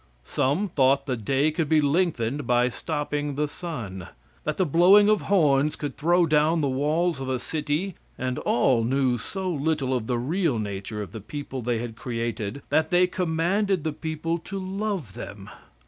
Some thought the day could be lengthened by stopping the sun, that the blowing of horns could throw down the walls of a city, and all knew so little of the real nature of the people they had created, that they commanded the people to love them.